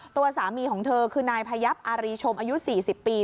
ตัวสามีของเธอคือนายพยับอารีชมอายุ๔๐ปี